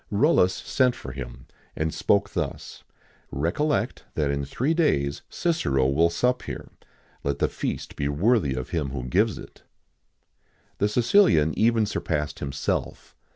Rullus sent for him, and spoke thus: "Recollect that in three days Cicero will sup here: let the feast be worthy of him who gives it." The Sicilian even surpassed himself.